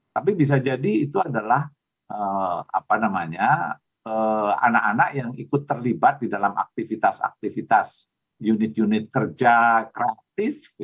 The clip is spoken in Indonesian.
tapi bisa jadi itu adalah anak anak yang ikut terlibat di dalam aktivitas aktivitas unit unit kerja kreatif